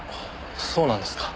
そうなんですか。